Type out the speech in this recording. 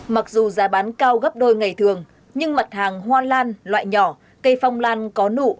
mặc dù giá bán cao gấp đôi ngày thường nhưng mặt hàng hoa lan loại nhỏ cây phong lan có nụ